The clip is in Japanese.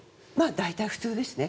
大体、普通ですね。